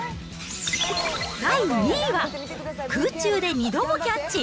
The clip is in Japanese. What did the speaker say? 第２位は、空中で２度もキャッチ？